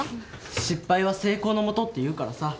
「失敗は成功のもと」って言うからさ。